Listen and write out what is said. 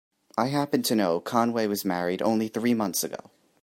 I happen to know Conway was married only three months ago.